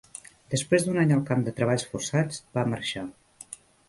Després d'un any al camp de treballs forçats, va marxar.